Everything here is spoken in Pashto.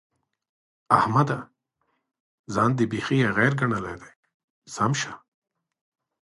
احمده! ځان دې بېخي ايغر ګڼلی دی؛ سم شه.